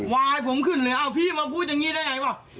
ว่าให้ผมขึ้นหรือเอาพี่มาพูดอย่างนี้ได้ไงวะ